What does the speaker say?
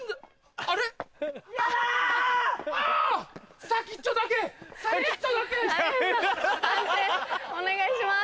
判定お願いします。